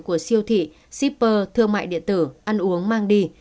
của siêu thị shipper thương mại điện tử ăn uống mang đi